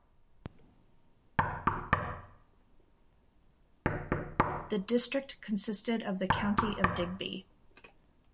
The district consisted of the County of Digby.